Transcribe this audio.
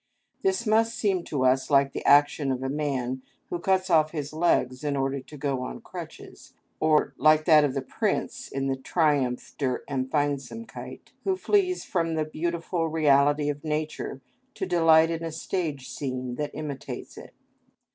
This must seem to us like the action of a man who cuts off his legs in order to go on crutches, or like that of the prince in the "Triumph der Empfindsamkeit" who flees from the beautiful reality of nature, to delight in a stage scene that imitates it.